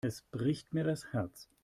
Es bricht mir das Herz.